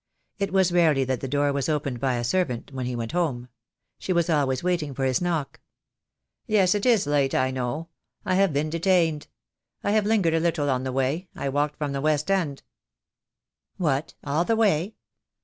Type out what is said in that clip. It was rarely that the door was opened by a servant when he went home. She was always waiting for his knock. "Yes, it is late, I know. I have been detained. I have lingered a little on the way — I walked from the West End." "What, all the way?